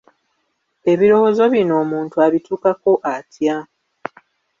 Ebirowoozo bino omuntu abituukako atya?